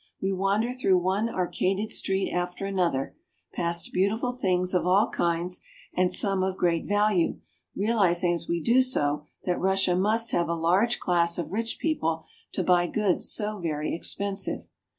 We wander through one arcaded street after another, past beautiful things of all kinds, and some of great value, realizing as we do so that Russia must have a large class of rich people to buy goods so very expen sive.